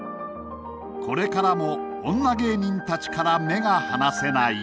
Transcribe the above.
これからも女芸人たちから目が離せない。